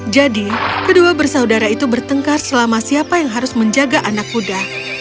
jadi kedua bersaudara itu bertengkar selama siapa yang harus menjaga anak kuda